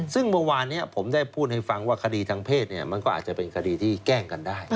ซึ่งเมื่อวานนี้ผมได้พูดให้ฟังว่าคดีทางเพศมันก็อาจจะเป็นคดีที่แกล้งกันได้